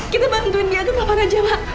kita bantuin dia ke bapak raja mak